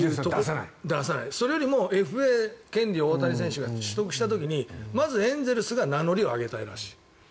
それよりもＦＡ権利を大谷選手が取得した時にまずエンゼルスが名乗りを上げたいらしい。